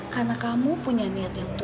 karena kamu punya niat yang tulus